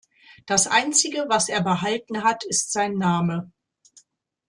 Das Einzige, was er behalten hat, ist sein Name.